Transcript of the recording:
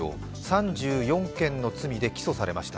３４件の罪で起訴されました。